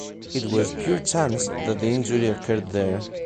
It was pure chance that the injury occurred there.